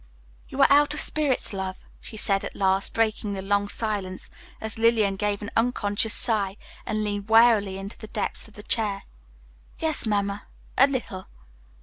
"You are out of spirits, love," she said at last, breaking the long silence, as Lillian gave an unconscious sigh and leaned wearily into the depths of her chair. "Yes, Mamma, a little."